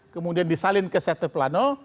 kemudian disalin ke c satu plano